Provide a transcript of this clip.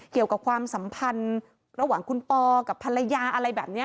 เกี่ยวกับความสัมพันธ์ระหว่างคุณป่อกับภรรยาอะไรแบบเนี้ย